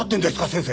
先生。